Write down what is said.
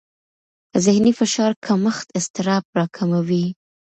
ذهني فشار کمښت اضطراب راکموي.